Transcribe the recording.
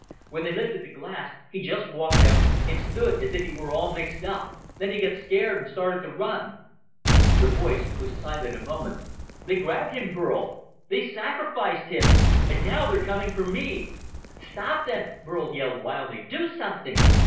When they lifted the glass, he just walked out and stood as if he were all mixed up. Then he got scared and started to run." The voice was silent a moment. "They grabbed him, Burl. They sacrificed him! And now they're coming for me." "Stop them!" Burl yelled wildly. "Do something!"